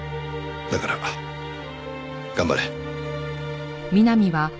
だから頑張れ。